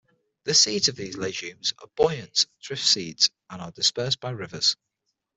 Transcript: The seeds of these legumes are buoyant drift seeds, and are dispersed by rivers.